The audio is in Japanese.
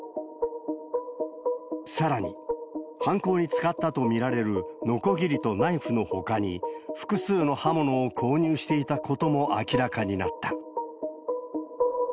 さらに、犯行に使ったと見られるのこぎりとナイフのほかに、複数の刃物を購入していたことも明らかになった。